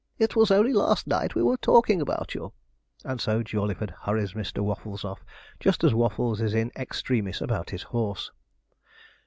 It was only last night we were talking about you.' And so Jawleyford hurries Mr. Waffles off, just as Waffles is in extremis about his horse.